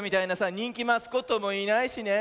にんきマスコットもいないしね。